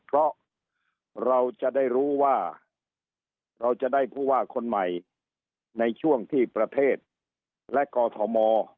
เพราะเราจะได้รู้ว่าเราจะได้ผู้ว่าคนใหม่ในช่วงที่ประเทศและกอทม